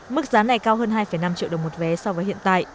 mức giá này cao hơn hai năm triệu đồng một vé so với hiện tại